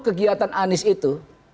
kegiatan anies itu